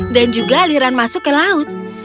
dan juga aliran masuk ke laut